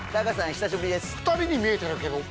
久しぶりです